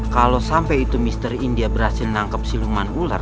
kalau sampai itu mr india berhasil menangkap siluman ular